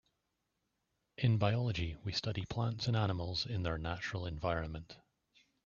In biology we study plants and animals in their natural environment.